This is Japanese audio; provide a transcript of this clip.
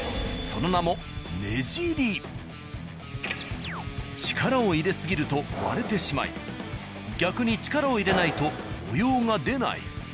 その名も力を入れ過ぎると割れてしまい逆に力を入れないと模様が出ない。